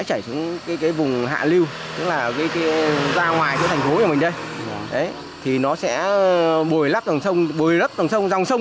chảy xuống vùng hạ lưu tức là ra ngoài thành phố của mình đây thì nó sẽ bồi lấp dòng sông dòng sông